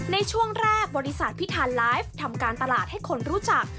ในช่วงแรกบริษัทพิธานไลฟ์ทำการตลาดให้คนรู้จัก